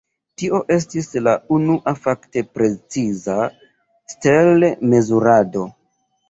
Tio estis la unua fakte preciza stel-mezurado.